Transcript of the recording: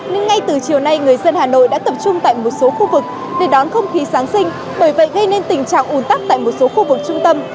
nên ngay từ chiều nay người dân hà nội đã tập trung tại một số khu vực để đón không khí giáng sinh bởi vậy gây nên tình trạng ủn tắc tại một số khu vực trung tâm